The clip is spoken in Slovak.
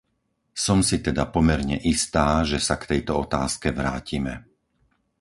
Som si teda pomerne istá, že sa k tejto otázke vrátime.